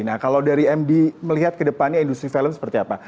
nah kalau dari md melihat ke depannya industri film seperti apa